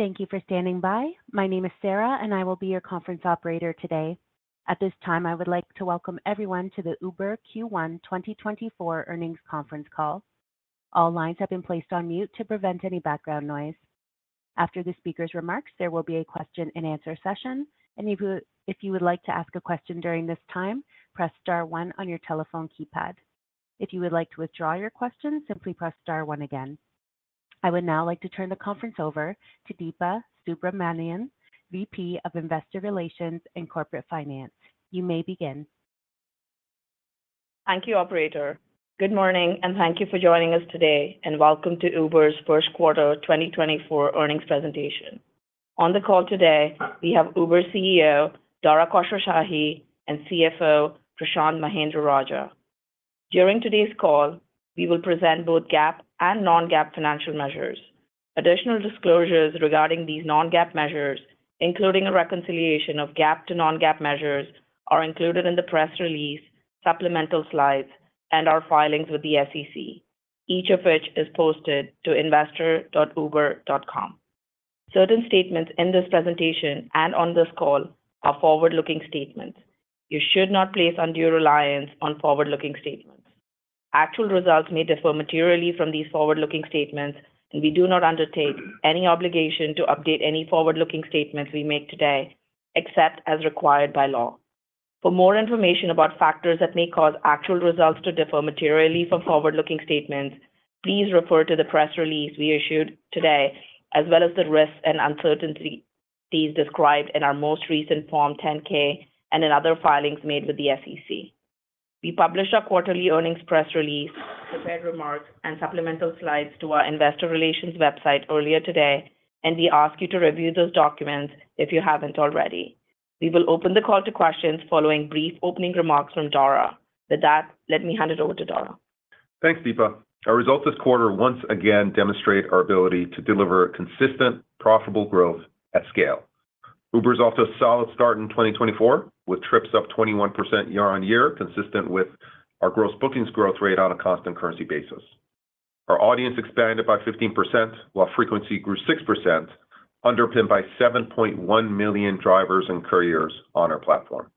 Thank you for standing by. My name is Sarah, and I will be your conference operator today. At this time, I would like to welcome everyone to the Uber Q1 2024 earnings conference call. All lines have been placed on mute to prevent any background noise. After the speaker's remarks, there will be a question-and-answer session, and if you would like to ask a question during this time, press star one on your telephone keypad. If you would like to withdraw your question, simply press star one again. I would now like to turn the conference over to Deepa Subramanian, VP of Investor Relations and Corporate Finance. You may begin. Thank you, operator. Good morning, and thank you for joining us today. welcome to Uber's first quarter 2024 earnings presentation. On the call today, we have Uber CEO, Dara Khosrowshahi, and CFO, Prashanth Mahendra-Rajah. During today's call, we will present both GAAP and non-GAAP financial measures. Additional disclosures regarding these non-GAAP measures, including a reconciliation of GAAP to non-GAAP measures, are included in the press release, supplemental slides, and our filings with the SEC, each of which is posted to investor.uber.com. Certain statements in this presentation and on this call are forward-looking statements. You should not place undue reliance on forward-looking statements. Actual results may differ materially from these forward-looking statements, and we do not undertake any obligation to update any forward-looking statements we make today, except as required by law. For more information about factors that may cause actual results to differ materially from forward-looking statements, please refer to the press release we issued today, as well as the risks and uncertainties described in our most recent Form 10-K, and in other filings made with the SEC. We published our quarterly earnings press release, prepared remarks, and supplemental slides to our investor relations website earlier today, and we ask you to review those documents if you haven't already. We will open the call to questions following brief opening remarks from Dara. With that, let me hand it over to Dara. Thanks, Deepa. Our results this quarter once again demonstrate our ability to deliver consistent, profitable growth at scale. Uber is off to a solid start in 2024, with trips up 21% year-over-year, consistent with our gross bookings growth rate on a constant currency basis. Our audience expanded by 15%, while frequency grew 6%, underpinned by 7.1 million drivers and couriers on our platform.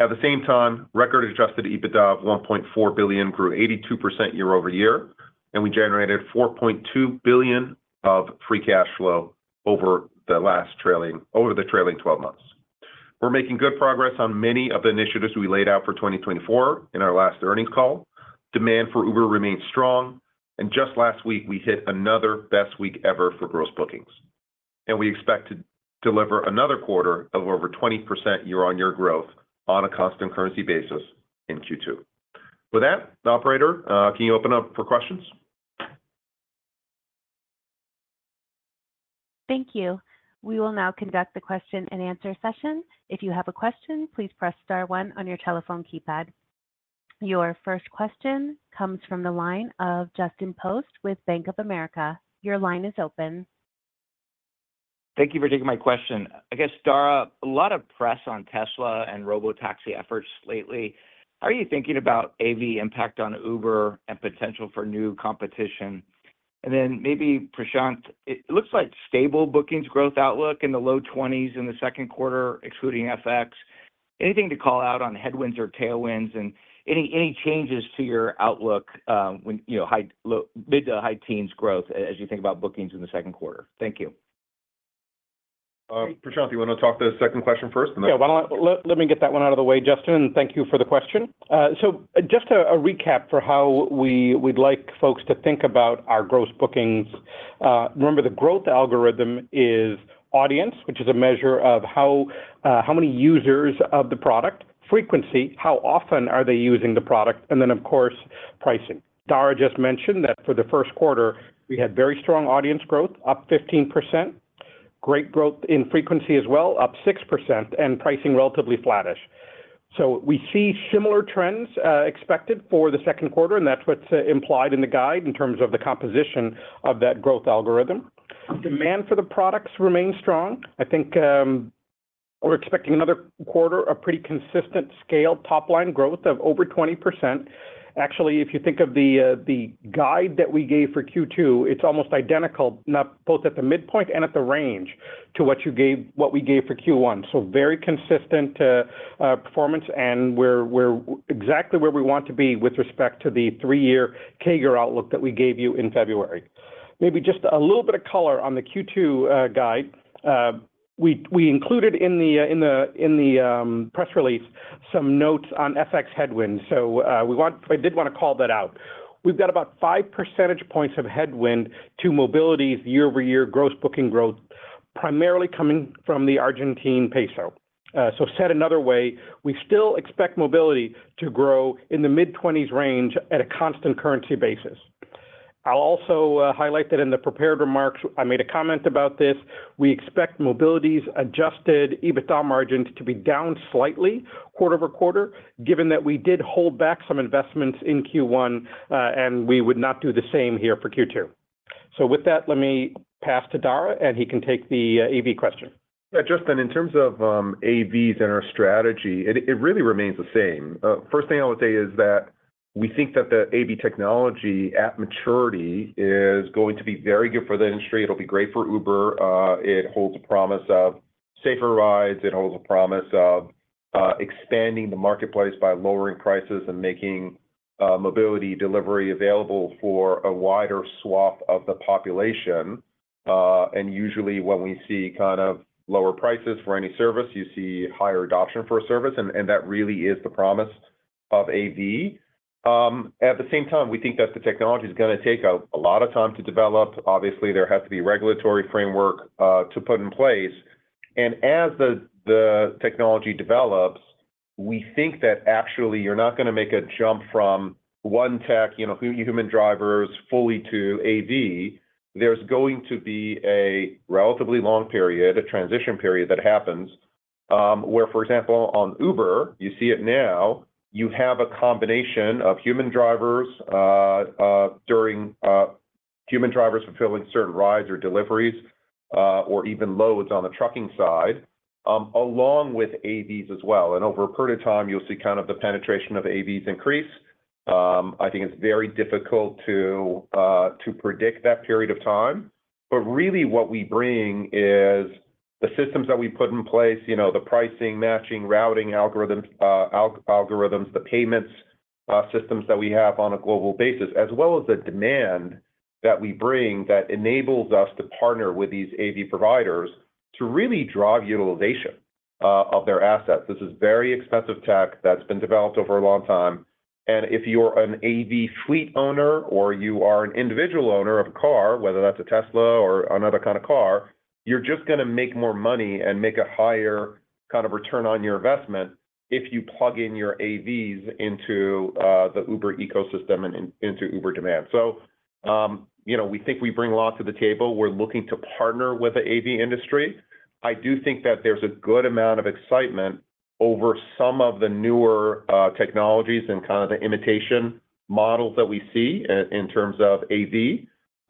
At the same time, record Adjusted EBITDA of $1.4 billion grew 82% year-over-year, and we generated $4.2 billion of free cash flow over the trailing twelve months. We're making good progress on many of the initiatives we laid out for 2024 in our last earnings call. Demand for Uber remains strong, and just last week, we hit another best week ever for gross bookings. We expect to deliver another quarter of over 20% year-on-year growth on a constant currency basis in Q2. With that, the operator, can you open up for questions? Thank you. We will now conduct the question-and-answer session. If you have a question, please press star one on your telephone keypad. Your first question comes from the line of Justin Post with Bank of America. Your line is open. Thank you for taking my question. I guess, Dara, a lot of press on Tesla and robotaxi efforts lately. How are you thinking about AV impact on Uber and potential for new competition? And then maybe, Prashanth, it looks like stable bookings growth outlook in the low 20s% in the second quarter, excluding FX. Anything to call out on headwinds or tailwinds, and any changes to your outlook, you know, low- to high-teens% growth as you think about bookings in the second quarter? Thank you. Prashanth, do you want to talk to the second question first and then- Yeah, why don't I... Let me get that one out of the way, Justin, and thank you for the question. So just a recap for how we would like folks to think about our gross bookings. Remember, the growth algorithm is audience, which is a measure of how many users of the product. Frequency, how often are they using the product. And then, of course, pricing. Dara just mentioned that for the first quarter, we had very strong audience growth, up 15%, great growth in frequency as well, up 6%, and pricing relatively flattish. So we see similar trends expected for the second quarter, and that's what's implied in the guide in terms of the composition of that growth algorithm. Demand for the products remains strong. I think we're expecting another quarter, a pretty consistent scale, top line growth of over 20%. Actually, if you think of the guide that we gave for Q2, it's almost identical, not both at the midpoint and at the range, to what you gave - what we gave for Q1. So very consistent performance, and we're exactly where we want to be with respect to the three-year CAGR outlook that we gave you in February. Maybe just a little bit of color on the Q2 guide. We included in the press release some notes on FX headwind. So, we want - I did want to call that out. We've got about five percentage points of headwind to mobility's year-over-year gross booking growth, primarily coming from the Argentine peso. So said another way, we still expect mobility to grow in the mid-twenties range at a constant currency basis. I'll also highlight that in the prepared remarks, I made a comment about this, we expect mobility's Adjusted EBITDA margins to be down slightly quarter-over-quarter, given that we did hold back some investments in Q1, and we would not do the same here for Q2. So with that, let me pass to Dara, and he can take the AV question. Yeah, Justin, in terms of AVs and our strategy, it really remains the same. First thing I would say is that. We think that the AV technology at maturity is going to be very good for the industry. It'll be great for Uber. It holds a promise of safer rides, it holds a promise of expanding the marketplace by lowering prices and making mobility delivery available for a wider swath of the population. And usually when we see kind of lower prices for any service, you see higher adoption for a service, and that really is the promise of AV. At the same time, we think that the technology is gonna take a lot of time to develop. Obviously, there has to be regulatory framework to put in place. And as the technology develops, we think that actually you're not gonna make a jump from one tech, you know, human drivers fully to AV. There's going to be a relatively long period, a transition period, that happens, where, for example, on Uber, you see it now, you have a combination of human drivers fulfilling certain rides or deliveries, or even loads on the trucking side, along with AVs as well. And over a period of time, you'll see kind of the penetration of AVs increase. I think it's very difficult to predict that period of time. But really what we bring is the systems that we put in place, you know, the pricing, matching, routing algorithms, algorithms, the payments, systems that we have on a global basis, as well as the demand that we bring that enables us to partner with these AV providers to really drive utilization of their assets. This is very expensive tech that's been developed over a long time, and if you're an AV fleet owner or you are an individual owner of a car, whether that's a Tesla or another kind of car, you're just gonna make more money and make a higher kind of return on your investment if you plug in your AVs into the Uber ecosystem and into Uber demand. So, you know, we think we bring a lot to the table. We're looking to partner with the AV industry. I do think that there's a good amount of excitement over some of the newer technologies and kind of the imitation learning models that we see in terms of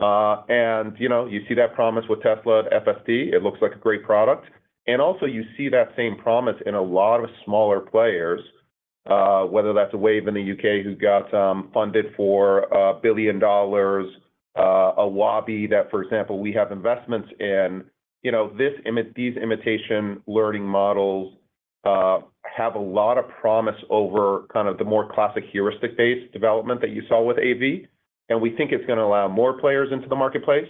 AV. You know, you see that promise with Tesla and FSD. It looks like a great product. And also, you see that same promise in a lot of smaller players, whether that's Wayve in the UK, who got funded for $1 billion, Waabi that, for example, we have investments in. You know, these imitation learning models have a lot of promise over kind of the more classic heuristic-based development that you saw with AV, and we think it's gonna allow more players into the marketplace.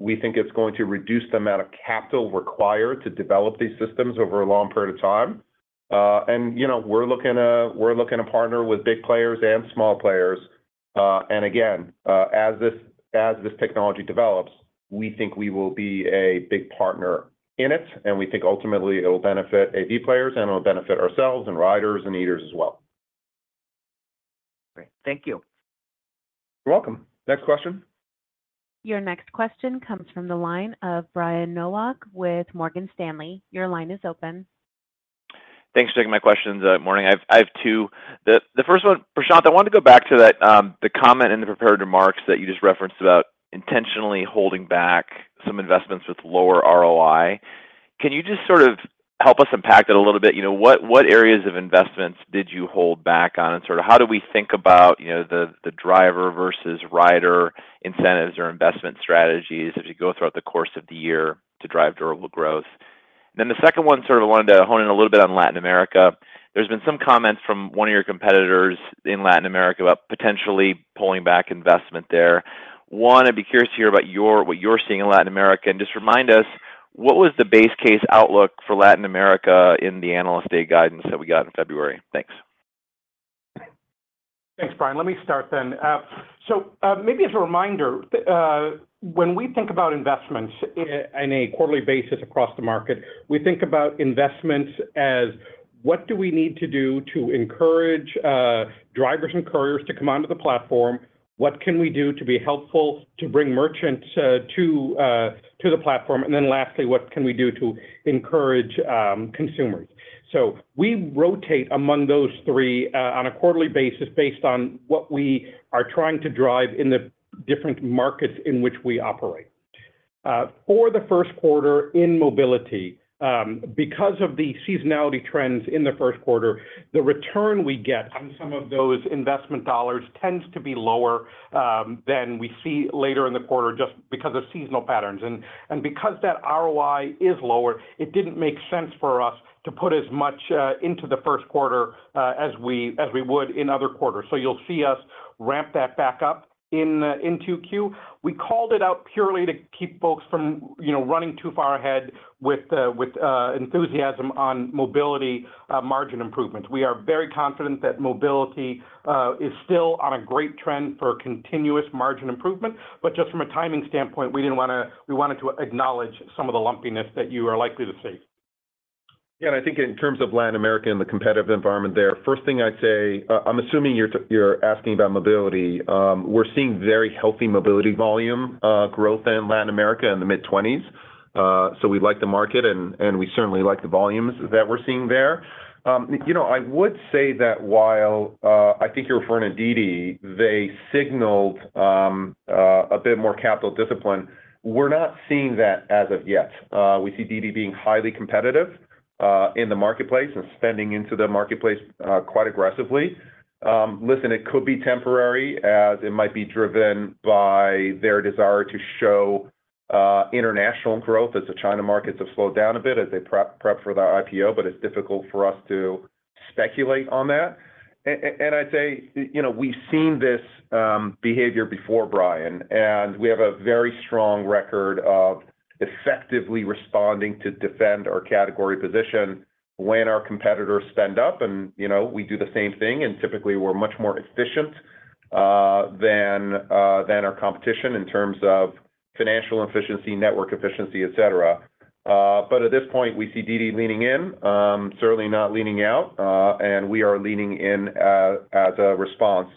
We think it's going to reduce the amount of capital required to develop these systems over a long period of time. You know, we're looking to, we're looking to partner with big players and small players. And again, as this, as this technology develops, we think we will be a big partner in it, and we think ultimately it will benefit AV players, and it will benefit ourselves, and riders, and eaters as well. Great. Thank you. You're welcome. Next question. Your next question comes from the line of Brian Nowak with Morgan Stanley. Your line is open. Thanks for taking my questions, morning. I have two. The first one, Prashanth, I wanted to go back to that, the comment in the prepared remarks that you just referenced about intentionally holding back some investments with lower ROI. Can you just sort of help us unpack that a little bit? You know, what areas of investments did you hold back on, and sort of how do we think about, you know, the driver versus rider incentives or investment strategies as you go throughout the course of the year to drive durable growth? Then the second one, sort of wanted to hone in a little bit on Latin America. There's been some comments from one of your competitors in Latin America about potentially pulling back investment there. One, I'd be curious to hear about what you're seeing in Latin America, and just remind us, what was the base case outlook for Latin America in the Analyst Day guidance that we got in February? Thanks. Thanks, Brian. Let me start then. Maybe as a reminder, when we think about investments on a quarterly basis across the market, we think about investments as: What do we need to do to encourage drivers and couriers to come onto the platform? What can we do to be helpful to bring merchants to the platform? And then lastly, what can we do to encourage consumers? So we rotate among those three on a quarterly basis, based on what we are trying to drive in the different markets in which we operate. For the first quarter in mobility, because of the seasonality trends in the first quarter, the return we get on some of those investment dollars tends to be lower than we see later in the quarter, just because of seasonal patterns. And because that ROI is lower, it didn't make sense for us to put as much into the first quarter as we would in other quarters. So you'll see us ramp that back up in 2Q. We called it out purely to keep folks from, you know, running too far ahead with the enthusiasm on mobility margin improvements. We are very confident that mobility is still on a great trend for continuous margin improvement, but just from a timing standpoint, we didn't wanna—we wanted to acknowledge some of the lumpiness that you are likely to see. Yeah, and I think in terms of Latin America and the competitive environment there, first thing I'd say, I'm assuming you're asking about mobility. We're seeing very healthy mobility volume growth in Latin America in the mid-twenties. So we like the market, and we certainly like the volumes that we're seeing there. You know, I would say that while I think you're referring to DiDi, they signaled a bit more capital discipline. We're not seeing that as of yet. We see DiDi being highly competitive in the marketplace and spending into the marketplace quite aggressively. Listen, it could be temporary, as it might be driven by their desire to show international growth as the China markets have slowed down a bit as they prep for the IPO, but it's difficult for us to speculate on that. And I'd say, you know, we've seen this behavior before, Brian, and we have a very strong record of effectively responding to defend our category position when our competitors spend up. You know, we do the same thing, and typically, we're much more efficient than our competition in terms of financial efficiency, network efficiency, et cetera. But at this point, we see DiDi leaning in, certainly not leaning out, and we are leaning in as a response,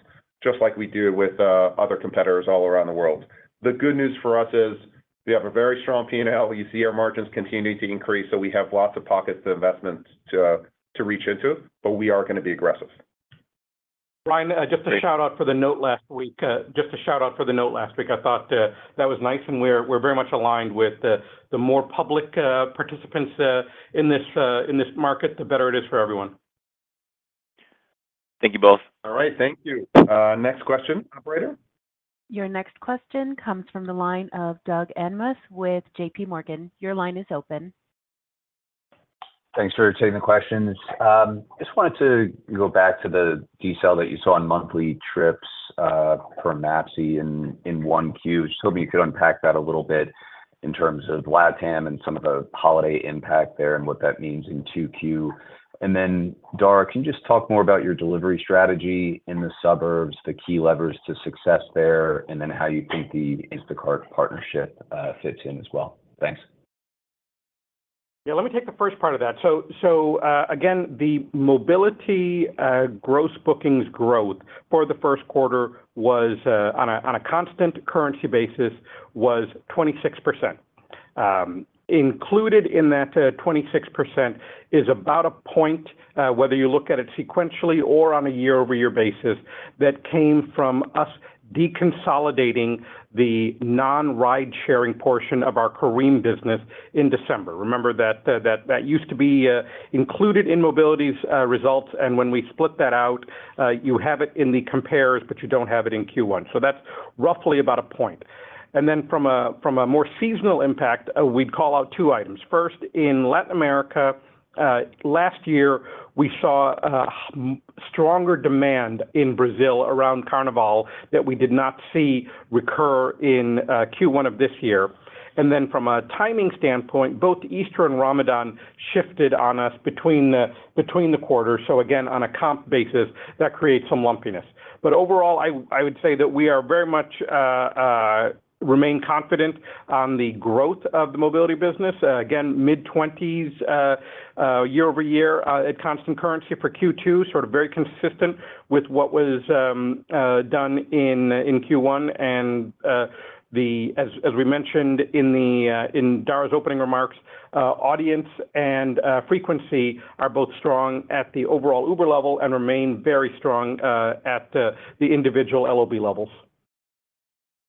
just like we do with other competitors all around the world. The good news for us is we have a very strong P&L. You see our margins continuing to increase, so we have lots of pockets of investments to to reach into, but we are gonna be aggressive. Brian, just a shout-out for the note last week. Just a shout-out for the note last week. I thought that was nice, and we're very much aligned with the more public participants in this market, the better it is for everyone. Thank you both. All right, thank you. Next question, operator. Your next question comes from the line of Doug Anmuth with J.P. Morgan. Your line is open. Thanks for taking the questions. Just wanted to go back to the decel that you saw on monthly trips for MAPCs in 1Q. Just hoping you could unpack that a little bit in terms of LATAM and some of the holiday impact there, and what that means in 2Q. And then, Dara, can you just talk more about your delivery strategy in the suburbs, the key levers to success there, and then how you think the Instacart partnership fits in as well? Thanks. Yeah, let me take the first part of that. So, again, the Mobility gross bookings growth for the first quarter was, on a constant currency basis, 26%. Included in that 26% is about a point, whether you look at it sequentially or on a year-over-year basis, that came from us deconsolidating the non-ride-sharing portion of our Careem business in December. Remember that, that used to be included in Mobility's results, and when we split that out, you have it in the compares, but you don't have it in Q1. So that's roughly about a point. And then from a more seasonal impact, we'd call out 2 items. First, in Latin America, last year, we saw a stronger demand in Brazil around Carnaval that we did not see recur in Q1 of this year. And then from a timing standpoint, both Easter and Ramadan shifted on us between the quarters. So again, on a comp basis, that creates some lumpiness. But overall, I would say that we are very much remain confident on the growth of the Mobility business. Again, mid-20s year-over-year at constant currency for Q2, sort of very consistent with what was done in Q1. And the... As we mentioned in Dara's opening remarks, audience and frequency are both strong at the overall Uber level and remain very strong at the individual LOB levels.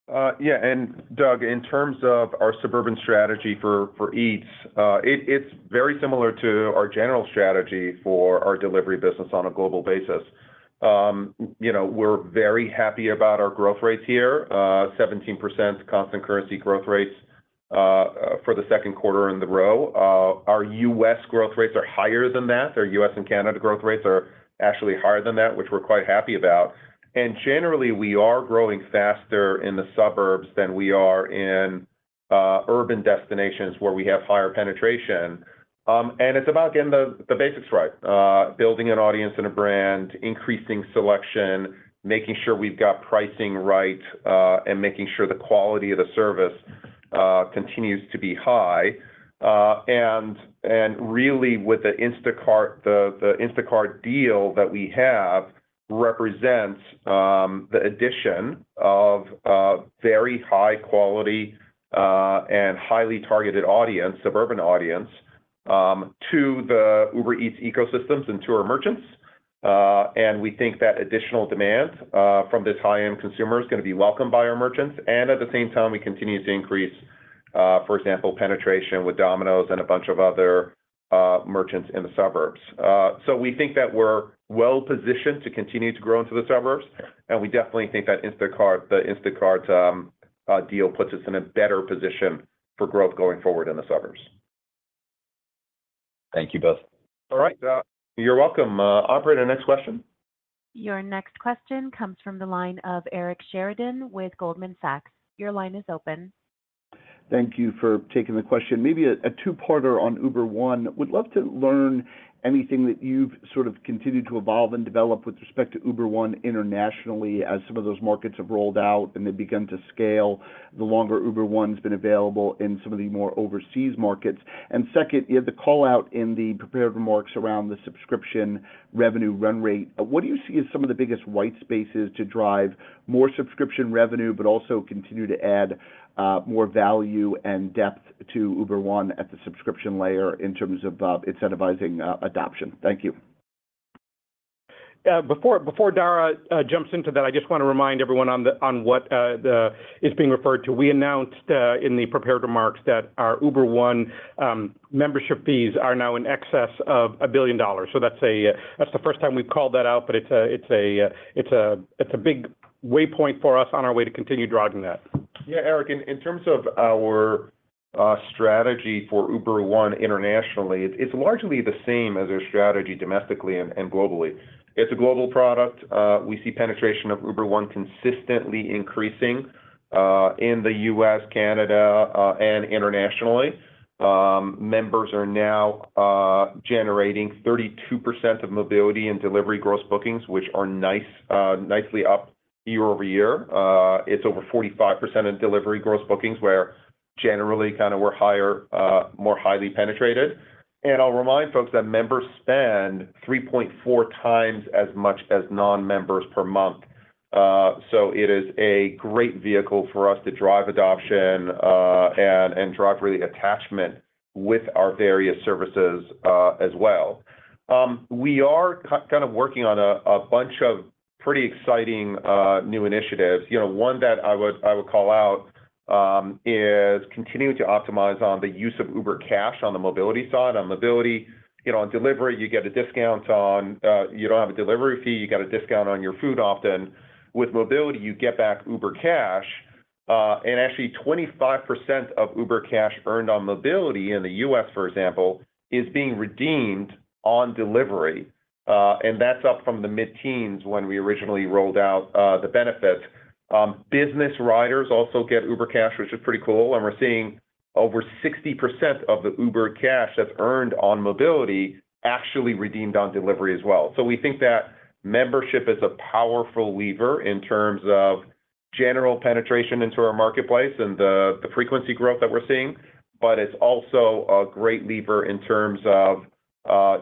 Yeah, and Doug, in terms of our suburban strategy for Eats, it is very similar to our general strategy for our delivery business on a global basis. You know, we're very happy about our growth rates here, 17% constant currency growth rates, for the second quarter in a row. Our U.S. growth rates are higher than that. Our U.S. and Canada growth rates are actually higher than that, which we're quite happy about. And generally, we are growing faster in the suburbs than we are in urban destinations where we have higher penetration. And it is about getting the basics right, building an audience and a brand, increasing selection, making sure we've got pricing right, and making sure the quality of the service continues to be high. And really, with the Instacart, the Instacart deal that we have represents the addition of a very high quality and highly targeted audience, suburban audience, to the Uber Eats ecosystem and to our merchants. And we think that additional demand from this high-end consumer is gonna be welcomed by our merchants, and at the same time, we continue to increase, for example, penetration with Domino's and a bunch of other merchants in the suburbs. So we think that we're well positioned to continue to grow into the suburbs, and we definitely think that Instacart, the Instacart deal puts us in a better position for growth going forward in the suburbs. Thank you both. All right, you're welcome. Operator, next question. Your next question comes from the line of Eric Sheridan with Goldman Sachs. Your line is open. Thank you for taking the question. Maybe a two-parter on Uber One. Would love to learn anything that you've sort of continued to evolve and develop with respect to Uber One internationally, as some of those markets have rolled out and they've begun to scale, the longer Uber One's been available in some of the more overseas markets. And second, you had the call-out in the prepared remarks around the subscription revenue run rate. What do you see as some of the biggest white spaces to drive more subscription revenue, but also continue to add more value and depth to Uber One at the subscription layer in terms of incentivizing adoption? Thank you.... Before Dara jumps into that, I just want to remind everyone on what is being referred to. We announced in the prepared remarks that our Uber One membership fees are now in excess of $1 billion. So that's the first time we've called that out, but it's a big waypoint for us on our way to continue driving that. Yeah, Eric, in terms of our strategy for Uber One internationally, it's largely the same as our strategy domestically and globally. It's a global product. We see penetration of Uber One consistently increasing in the U.S., Canada, and internationally. Members are now generating 32% of mobility and delivery gross bookings, which is nicely up year-over-year. It's over 45% of delivery gross bookings, where generally kind of we're higher, more highly penetrated. I'll remind folks that members spend 3.4 times as much as non-members per month. So it is a great vehicle for us to drive adoption, and drive really attachment with our various services, as well. We are kind of working on a bunch of pretty exciting new initiatives. You know, one that I would, I would call out, is continuing to optimize on the use of Uber Cash on the mobility side. On mobility, you know, on delivery, you get a discount on, you don't have a delivery fee, you get a discount on your food often. With mobility, you get back Uber Cash, and actually, 25% of Uber Cash earned on mobility in the US, for example, is being redeemed on delivery. And that's up from the mid-teens when we originally rolled out, the benefits. Business riders also get Uber Cash, which is pretty cool, and we're seeing over 60% of the Uber Cash that's earned on mobility actually redeemed on delivery as well. So we think that membership is a powerful lever in terms of general penetration into our marketplace and the frequency growth that we're seeing, but it's also a great lever in terms of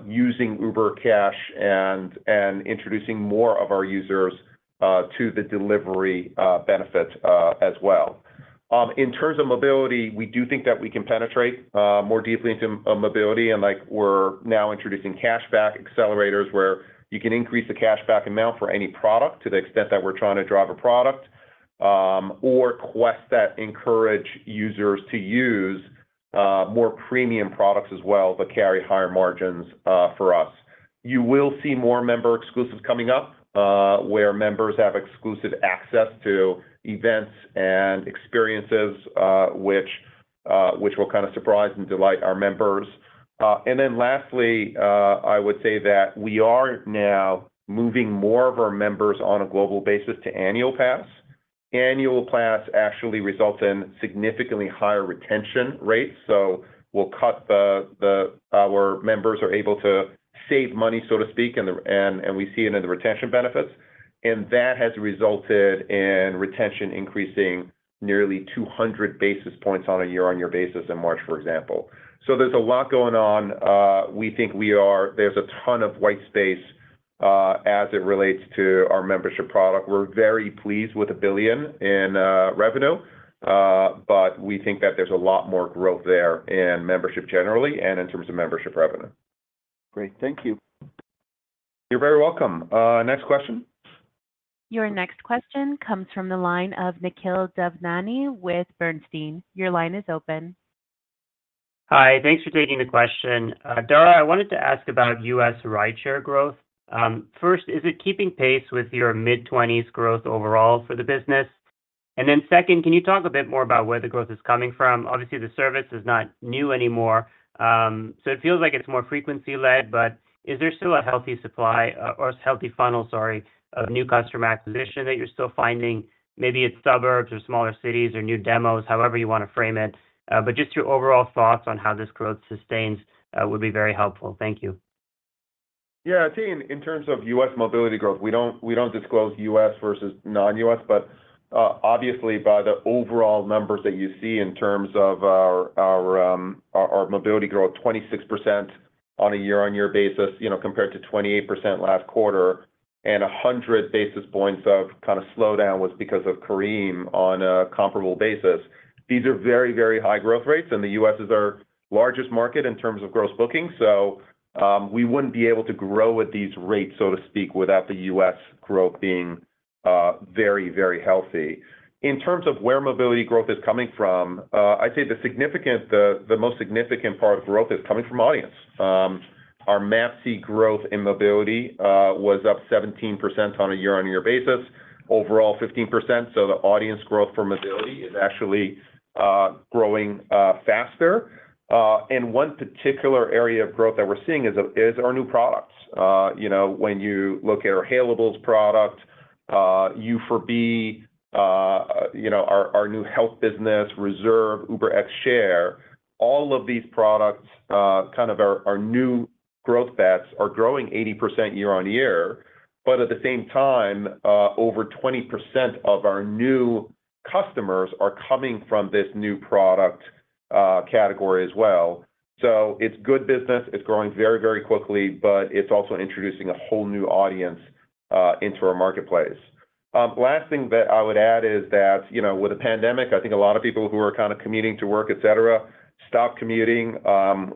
using Uber Cash and introducing more of our users to the delivery benefits as well. In terms of mobility, we do think that we can penetrate more deeply into mobility, and like we're now introducing cashback accelerators, where you can increase the cashback amount for any product to the extent that we're trying to drive a product or quests that encourage users to use more premium products as well, that carry higher margins for us. You will see more member exclusives coming up, where members have exclusive access to events and experiences, which will kind of surprise and delight our members. And then lastly, I would say that we are now moving more of our members on a global basis to Annual Pass. Annual Pass actually results in significantly higher retention rates, so our members are able to save money, so to speak, and we see it in the retention benefits, and that has resulted in retention increasing nearly 200 basis points on a year-on-year basis in March, for example. So there's a lot going on. We think there's a ton of white space, as it relates to our membership product. We're very pleased with $1 billion in revenue, but we think that there's a lot more growth there in membership generally, and in terms of membership revenue. Great. Thank you. You're very welcome. Next question? Your next question comes from the line of Nikhil Devnani with Bernstein. Your line is open. Hi, thanks for taking the question. Dara, I wanted to ask about U.S. rideshare growth. First, is it keeping pace with your mid-20s growth overall for the business? And then second, can you talk a bit more about where the growth is coming from? Obviously, the service is not new anymore, so it feels like it's more frequency-led, but is there still a healthy supply or healthy funnel, sorry, of new customer acquisition that you're still finding? Maybe it's suburbs or smaller cities or new demos, however you want to frame it. But just your overall thoughts on how this growth sustains would be very helpful. Thank you. Yeah, I'd say in terms of U.S. mobility growth, we don't disclose U.S. versus non-U.S., but obviously, by the overall numbers that you see in terms of our mobility growth, 26% on a year-on-year basis, you know, compared to 28% last quarter, and 100 basis points of kind of slowdown was because of Careem on a comparable basis. These are very, very high growth rates, and the U.S. is our largest market in terms of gross bookings, so we wouldn't be able to grow at these rates, so to speak, without the U.S. growth being very, very healthy. In terms of where mobility growth is coming from, I'd say the most significant part of growth is coming from audience. Our MAPC growth in mobility was up 17% on a year-on-year basis, overall 15%, so the audience growth for mobility is actually growing faster. And one particular area of growth that we're seeing is our new products. You know, when you look at our Hailables product, U for B, you know, our new health business, Reserve, UberX Share, all of these products, kind of our new growth bets are growing 80% year-on-year, but at the same time, over 20% of our new customers are coming from this new product category as well. So it's good business, it's growing very, very quickly, but it's also introducing a whole new audience into our marketplace. Last thing that I would add is that, you know, with the pandemic, I think a lot of people who were kind of commuting to work, et cetera, stopped commuting.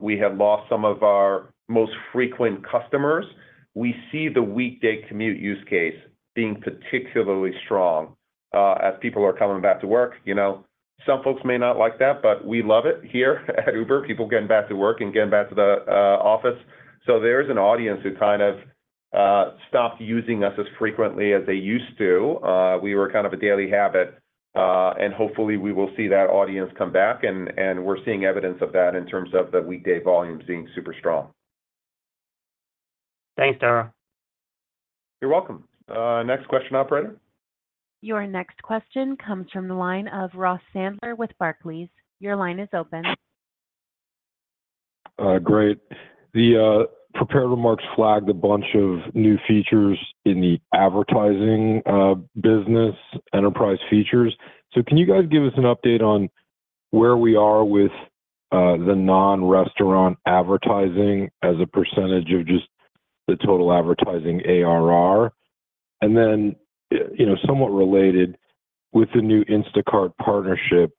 We have lost some of our most frequent customers. We see the weekday commute use case being particularly strong, as people are coming back to work. You know, some folks may not like that, but we love it here at Uber, people getting back to work and getting back to the office. So there's an audience who kind of stopped using us as frequently as they used to. We were kind of a daily habit, and hopefully, we will see that audience come back, and we're seeing evidence of that in terms of the weekday volume being super strong. Thanks, Dara. You're welcome. Next question, operator. Your next question comes from the line of Ross Sandler with Barclays. Your line is open. Great. The prepared remarks flagged a bunch of new features in the advertising business enterprise features. So can you guys give us an update on where we are with the non-restaurant advertising as a percentage of just the total advertising ARR? And then, you know, somewhat related, with the new Instacart partnership,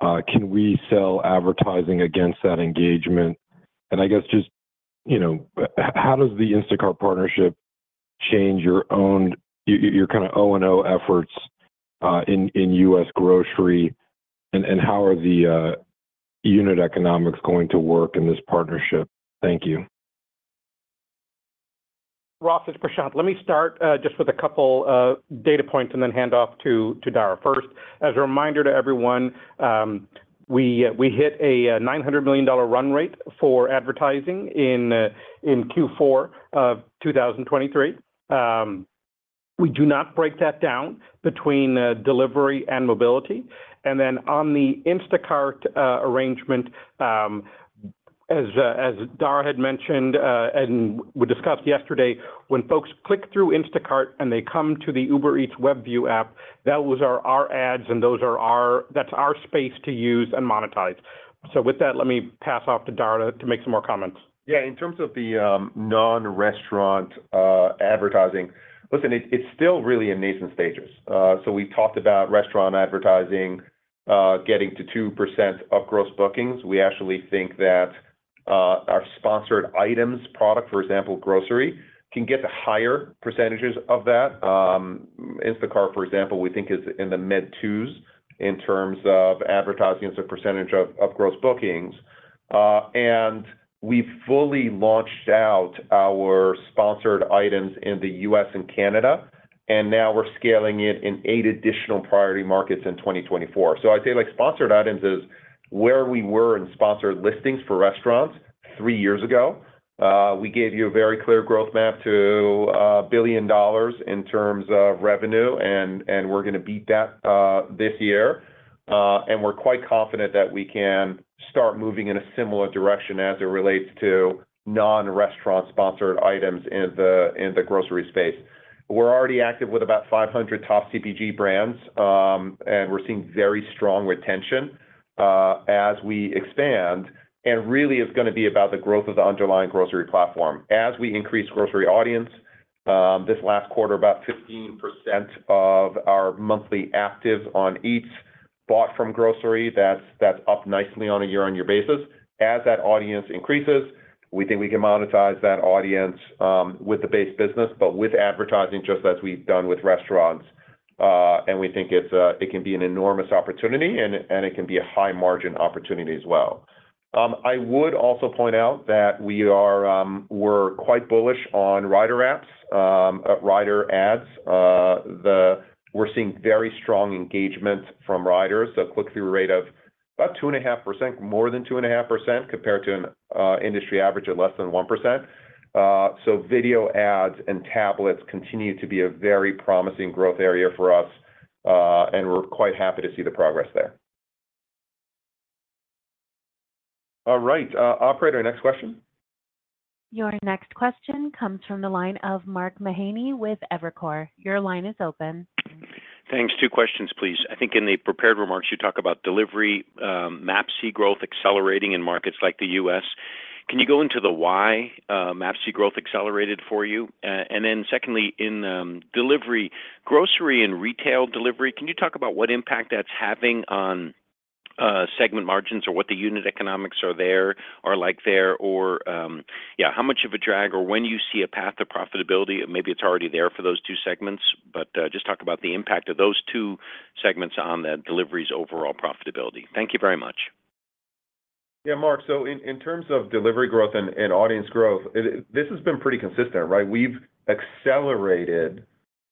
can we sell advertising against that engagement? And I guess, just, you know, how does the Instacart partnership change your own... your, your kind of O&O efforts in US grocery? And how are the unit economics going to work in this partnership? Thank you. Ross, it's Prashanth. Let me start just with a couple of data points and then hand off to Dara. First, as a reminder to everyone, we hit a $900 million run rate for advertising in Q4 of 2023. We do not break that down between delivery and mobility. And then on the Instacart arrangement, as Dara had mentioned, and we discussed yesterday, when folks click through Instacart, and they come to the Uber Eats WebView app, that was our ads, and those are our—that's our space to use and monetize. So with that, let me pass off to Dara to make some more comments. Yeah, in terms of the non-restaurant advertising, listen, it's still really in nascent stages. So we talked about restaurant advertising getting to 2% of gross bookings. We actually think that our sponsored items product, for example, grocery, can get to higher percentages of that. Instacart, for example, we think is in the mid-2s in terms of advertising as a percentage of gross bookings. And we've fully launched our sponsored items in the US and Canada, and now we're scaling it in 8 additional priority markets in 2024. So I'd say, like, sponsored items is where we were in sponsored listings for restaurants three years ago. We gave you a very clear growth map to $1 billion in terms of revenue, and we're going to beat that this year. And we're quite confident that we can start moving in a similar direction as it relates to non-restaurant sponsored items in the, in the grocery space. We're already active with about 500 top CPG brands, and we're seeing very strong retention, as we expand, and really it's going to be about the growth of the underlying grocery platform. As we increase grocery audience, this last quarter, about 15% of our monthly active on Eats bought from grocery, that's, that's up nicely on a year-on-year basis. As that audience increases, we think we can monetize that audience, with the base business, but with advertising, just as we've done with restaurants, and we think it's, it can be an enormous opportunity, and, and it can be a high-margin opportunity as well. I would also point out that we are... We're quite bullish on rider apps, rider ads. We're seeing very strong engagement from riders, a click-through rate of about 2.5%, more than 2.5%, compared to an industry average of less than 1%. So video ads and tablets continue to be a very promising growth area for us, and we're quite happy to see the progress there. All right, operator, next question. Your next question comes from the line of Mark Mahaney with Evercore. Your line is open. Thanks. Two questions, please. I think in the prepared remarks, you talk about delivery, MAPCs growth accelerating in markets like the US. Can you go into the why, MAPCs growth accelerated for you? And then secondly, in delivery, grocery and retail delivery, can you talk about what impact that's having on segment margins or what the unit economics are there, are like there? Or, how much of a drag or when do you see a path to profitability? Maybe it's already there for those two segments, but just talk about the impact of those two segments on the delivery's overall profitability. Thank you very much. Yeah, Mark, so in terms of delivery growth and audience growth, this has been pretty consistent, right? We've accelerated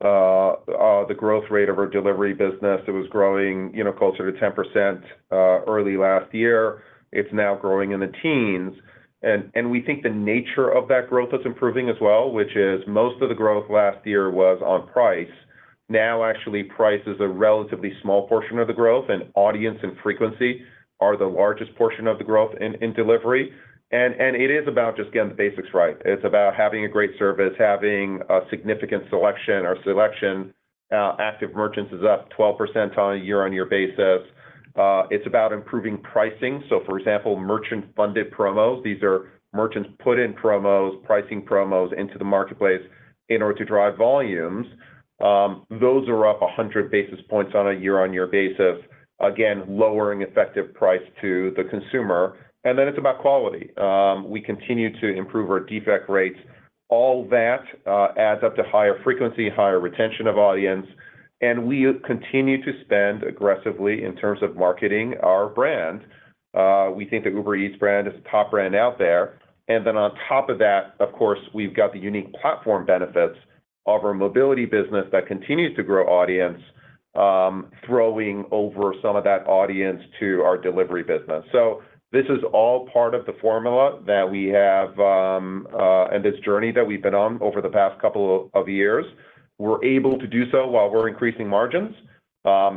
the growth rate of our delivery business. It was growing, you know, closer to 10%, early last year. It's now growing in the teens. And we think the nature of that growth is improving as well, which is most of the growth last year was on price. Now, actually, price is a relatively small portion of the growth, and audience and frequency are the largest portion of the growth in delivery. And it is about just getting the basics right. It's about having a great service, having a significant selection. Our selection active merchants is up 12% on a year-on-year basis. It's about improving pricing. So for example, merchant-funded promos, these are merchants put in promos, pricing promos into the marketplace in order to drive volumes. Those are up 100 basis points on a year-on-year basis, again, lowering effective price to the consumer. And then it's about quality. We continue to improve our defect rates. All that adds up to higher frequency, higher retention of audience, and we continue to spend aggressively in terms of marketing our brand. We think the Uber Eats brand is a top brand out there. And then on top of that, of course, we've got the unique platform benefits of our mobility business that continues to grow audience, throwing over some of that audience to our delivery business. So this is all part of the formula that we have, and this journey that we've been on over the past couple of years. We're able to do so while we're increasing margins,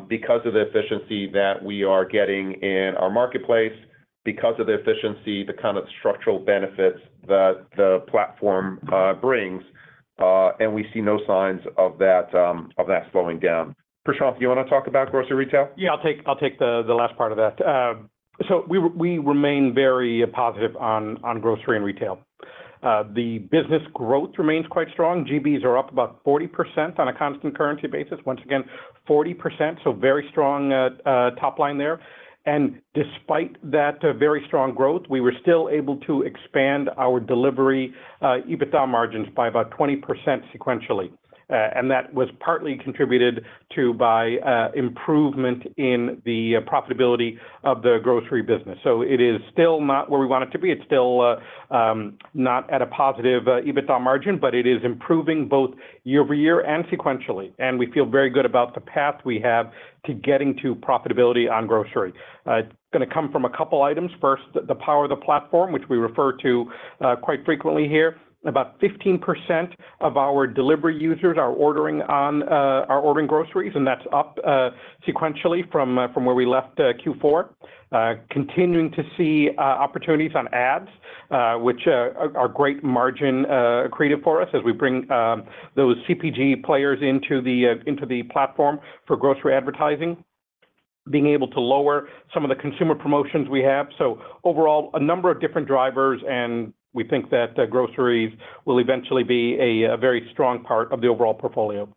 because of the efficiency that we are getting in our marketplace, because of the efficiency, the kind of structural benefits that the platform brings, and we see no signs of that slowing down. Prashanth, do you want to talk about grocery retail? Yeah, I'll take the last part of that. So we remain very positive on grocery and retail. The business growth remains quite strong. GBs are up about 40% on a constant currency basis. Once again, 40%, so very strong top line there. And despite that very strong growth, we were still able to expand our delivery EBITDA margins by about 20% sequentially. And that was partly contributed to by improvement in the profitability of the grocery business. So it is still not where we want it to be. It's still not at a positive EBITDA margin, but it is improving both year-over-year and sequentially, and we feel very good about the path we have to getting to profitability on grocery. It's going to come from a couple items. First, the power of the platform, which we refer to quite frequently here. About 15% of our delivery users are ordering groceries, and that's up sequentially from where we left Q4. Continuing to see opportunities on ads, which are great margin creative for us as we bring those CPG players into the platform for grocery advertising. Being able to lower some of the consumer promotions we have. So overall, a number of different drivers, and we think that groceries will eventually be a very strong part of the overall portfolio.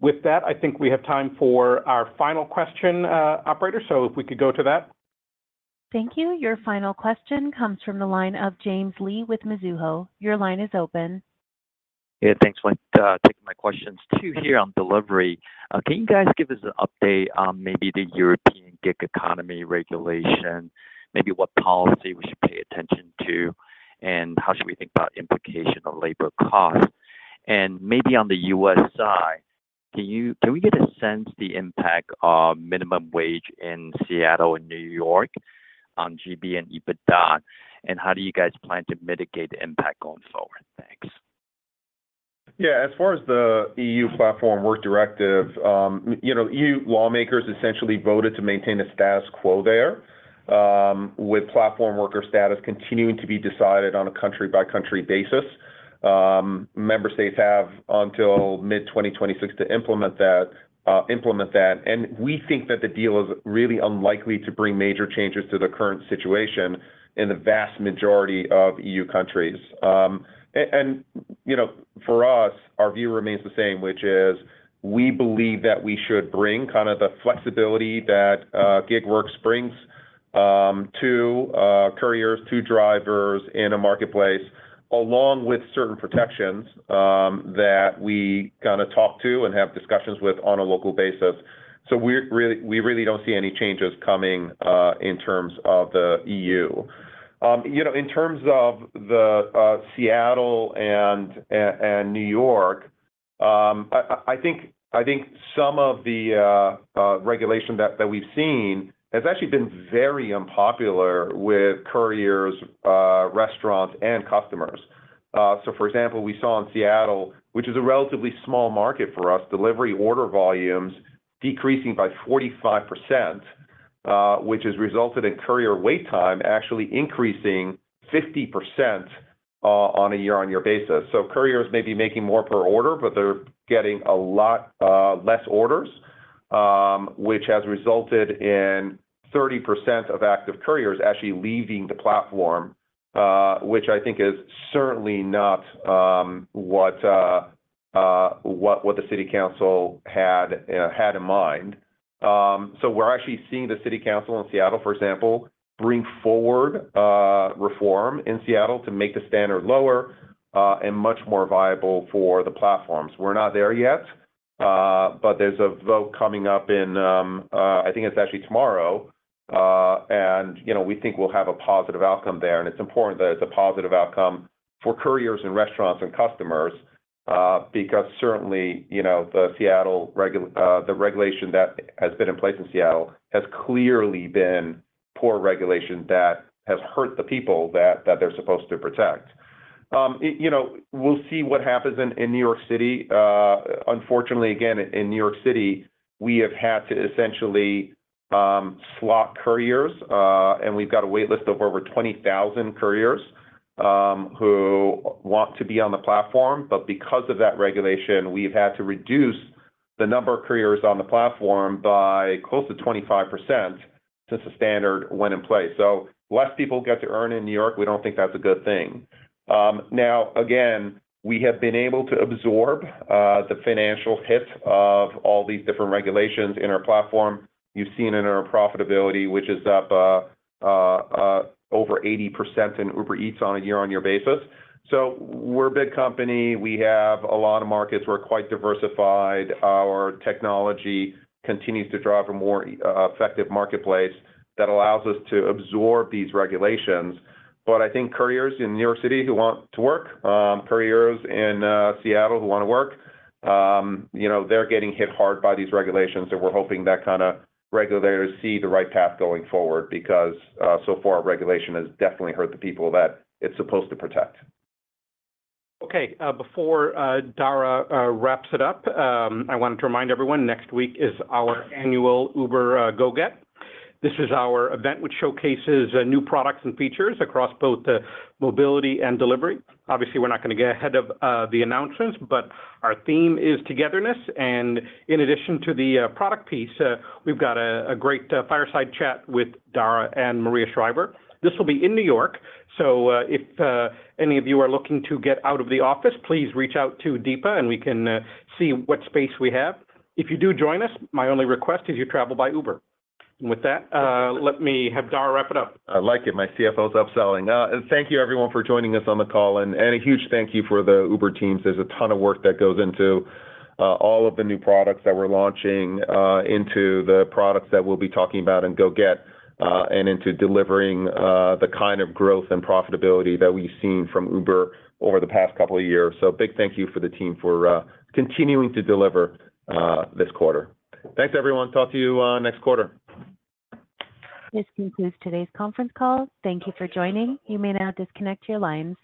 With that, I think we have time for our final question, operator. So if we could go to that. Thank you. Your final question comes from the line of James Lee with Mizuho. Your line is open. Yeah, thanks. Want to take my questions to you on delivery. Can you guys give us an update on maybe the European gig economy regulation, maybe what policy we should pay attention to, and how should we think about implication on labor costs? And maybe on the U.S. side, can we get a sense the impact of minimum wage in Seattle and New York on GB and EBITDA, and how do you guys plan to mitigate the impact going forward? Thanks. Yeah, as far as the EU Platform Work Directive, you know, EU lawmakers essentially voted to maintain the status quo there, with platform worker status continuing to be decided on a country-by-country basis. Member states have until mid-2026 to implement that, and we think that the deal is really unlikely to bring major changes to the current situation in the vast majority of EU countries. And, you know, for us, our view remains the same, which is we believe that we should bring kind of the flexibility that gig works brings, to couriers, to drivers in a marketplace, along with certain protections that we kind of talk to and have discussions with on a local basis. So we're really- we really don't see any changes coming in terms of the EU. You know, in terms of the Seattle and New York, I think some of the regulation that we've seen has actually been very unpopular with couriers, restaurants, and customers. So for example, we saw in Seattle, which is a relatively small market for us, delivery order volumes decreasing by 45%, which has resulted in courier wait time actually increasing 50%, on a year-on-year basis. So couriers may be making more per order, but they're getting a lot less orders, which has resulted in 30% of active couriers actually leaving the platform, which I think is certainly not what the city council had in mind. So we're actually seeing the city council in Seattle, for example, bring forward reform in Seattle to make the standard lower and much more viable for the platforms. We're not there yet, but there's a vote coming up in, I think it's actually tomorrow. And, you know, we think we'll have a positive outcome there, and it's important that it's a positive outcome for couriers and restaurants and customers, because certainly, you know, the Seattle regulation that has been in place in Seattle has clearly been poor regulation that has hurt the people that they're supposed to protect. You know, we'll see what happens in New York City. Unfortunately, again, in New York City, we have had to essentially-... slot couriers, and we've got a wait list of over 20,000 couriers, who want to be on the platform. But because of that regulation, we've had to reduce the number of couriers on the platform by close to 25% since the standard went in place. So less people get to earn in New York. We don't think that's a good thing. Now, again, we have been able to absorb, the financial hit of all these different regulations in our platform. You've seen it in our profitability, which is up, over 80% in Uber Eats on a year-on-year basis. So we're a big company. We have a lot of markets. We're quite diversified. Our technology continues to drive a more, effective marketplace that allows us to absorb these regulations. But I think couriers in New York City who want to work, couriers in Seattle who wanna work, you know, they're getting hit hard by these regulations, and we're hoping that kinda regulators see the right path going forward, because so far regulation has definitely hurt the people that it's supposed to protect. Okay, before Dara wraps it up, I wanted to remind everyone, next week is our annual Uber GO-GET. This is our event, which showcases new products and features across both mobility and delivery. Obviously, we're not gonna get ahead of the announcements, but our theme is togetherness, and in addition to the product piece, we've got a great fireside chat with Dara and Maria Shriver. This will be in New York, so if any of you are looking to get out of the office, please reach out to Deepa, and we can see what space we have. If you do join us, my only request is you travel by Uber. And with that, let me have Dara wrap it up. I like it. My CFO's upselling. Thank you everyone for joining us on the call, and a huge thank you for the Uber teams. There's a ton of work that goes into all of the new products that we're launching, into the products that we'll be talking about in GO-GET, and into delivering the kind of growth and profitability that we've seen from Uber over the past couple of years. So big thank you for the team for continuing to deliver this quarter. Thanks, everyone. Talk to you next quarter. This concludes today's conference call. Thank you for joining. You may now disconnect your lines.